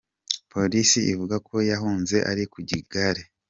Polisi ivuga ko yahunze ari ku igare.